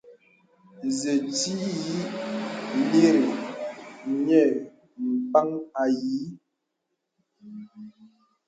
Nzə nti ǐ lìrì nyə̄ m̀pàŋ ànyìì.